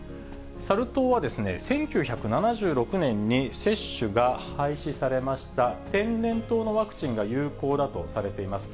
サル痘は１９７６年に、接種が廃止されました天然痘のワクチンが有効だとされています。